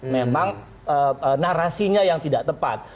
memang narasinya yang tidak tepat